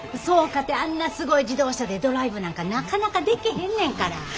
そうかてあんなすごい自動車でドライブなんかなかなかでけへんねんから。